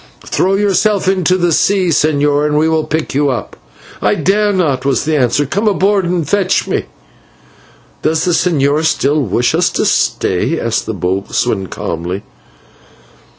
"Throw yourself into the sea, señor, and we will pick you up." "I dare not," was the answer; "come aboard and fetch me." "Does the señor still wish us to stay?" asked the boatswain, calmly.